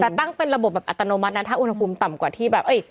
แต่ตั้งเป็นระบบแบบอัตโนมัตินะถ้าอุณหภูมิต่ำกว่าที่แบบ